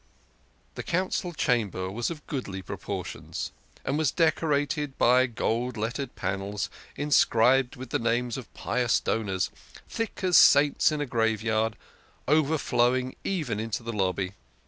The Council Cham ber was of goodly proportions, and was decorated by gold let tered panels, inscribed with the names of pious donors, thick as saints in a graveyard, overflowing even into the lobby.